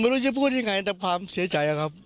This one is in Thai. พี่จะพูดยังไงกับความเสียใจครับ